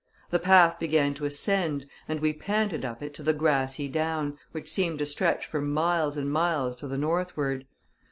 The path began to ascend, and we panted up it to the grassy down, which seemed to stretch for miles and miles to the northward.